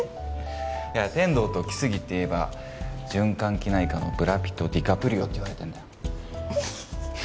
天堂と来生っていえば循環器内科のブラピとディカプリオって言われてんだよ